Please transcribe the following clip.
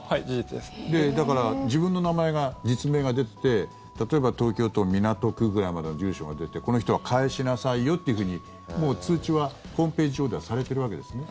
だから自分の名前が実名が出てて例えば、東京都港区ぐらいまでの住所が出てこの人は返しなさいよというふうにもう通知はホームページ上ではされてるわけですね？